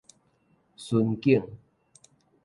巡境